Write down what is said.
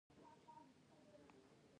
ایا ستاسو خیالونه رنګین دي؟